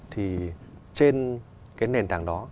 thì trên cái nền tảng đó